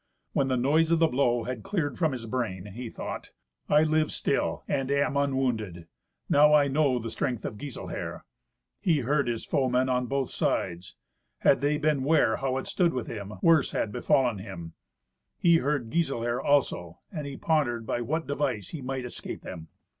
When the noise of the blow had cleared from his brain, he thought, "I live still, and am unwounded. Now I know the strength of Giselher." He heard his foemen on both sides. Had they been ware how it stood with him, worse had befallen him. He heard Giselher also, and he pondered by what device he might escape them.